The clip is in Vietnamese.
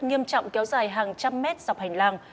nghiêm trọng kéo dài hàng trăm mét dọc hành lang